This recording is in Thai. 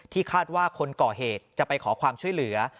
คาดว่าคนก่อเหตุจะไปขอความช่วยเหลือ